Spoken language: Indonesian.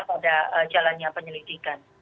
pada jalannya penyelidikan